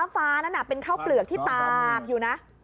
บนฟ้าฟ้านั่นอ่ะเป็นข้าวเปลือกที่ตามอยู่นะ